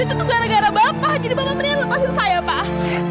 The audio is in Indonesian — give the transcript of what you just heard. jadi bapak mendingan lepasin saya pak